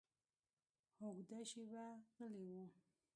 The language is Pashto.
اوږده شېبه غلی و.